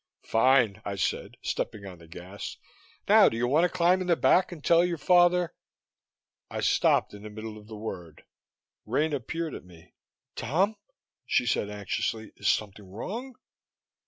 "Fine," I said, stepping on the gas. "Now do you want to climb back and tell your father " I stopped in the middle of the word. Rena peered at me. "Tom," she asked anxiously, "is something wrong?"